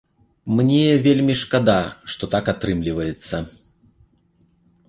Мне вельмі шкада, што так атрымліваецца.